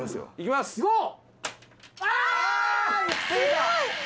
はい。